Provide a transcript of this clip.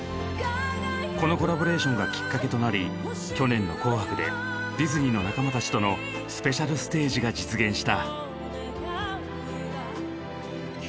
このコラボレーションがきっかけとなり去年の「紅白」でディズニーの仲間たちとのスペシャルステージが実現した。